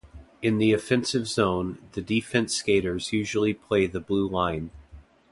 In the offensive zone, the defence skaters usually play the blue line.